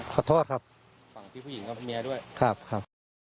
ขอโทษครับฝั่งพี่ผู้หญิงกับพี่เมียด้วยครับ